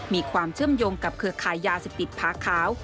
มีความเชื่อมโยงกับเครือขายยาเสพติดผาขาว